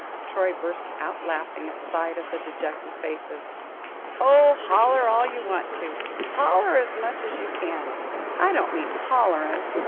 Troy burst out laughing at sight of the dejected faces. "Oh, holler all you want to holler as much as you can I don't mean hollerin'.